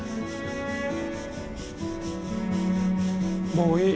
もういい。